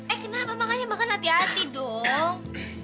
eh kenapa makanya makan hati hati dong